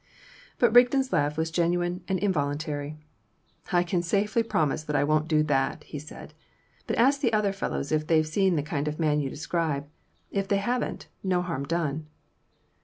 But Rigden's laugh was genuine and involuntary. "I can safely promise that I won't do that," said he. "But ask the other fellows if they've seen the kind of man you describe; if they haven't, no harm done."